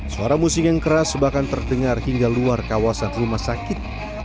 suara musik yang keras bahkan terdengar hingga luar kawasan rumah sakit